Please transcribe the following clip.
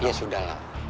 ya sudah lah